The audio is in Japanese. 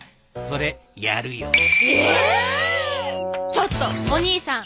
ちょっとお兄さん。